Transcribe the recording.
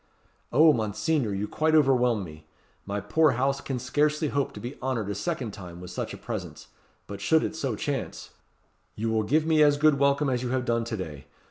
"Oh, Monseigneur! you quite overwhelm me. My poor house can scarcely hope to be honoured a second time with such a presence; but should it so chance" "You will give me as good welcome as you have done to day.